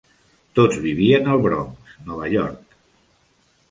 Tots vivien al Bronx, Nova York.